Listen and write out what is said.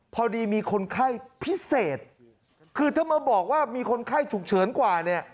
พอดีมีคนไข้พิเศษคือถ้ามาบอกว่ามีคนไข้ฉุกเฉินกว่าเนี่ย